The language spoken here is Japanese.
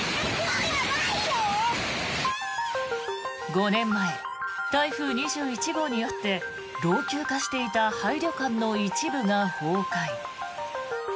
５年前、台風２１号によって老朽化していた廃旅館の一部が崩壊。